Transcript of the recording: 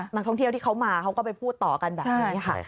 นักท่องเที่ยวที่เขามาเขาก็ไปพูดต่อกันแบบนี้ค่ะ